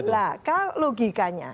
betul lah logikanya